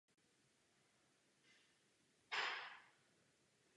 Problémy v Radě se rovněž týkají finančního dohledu.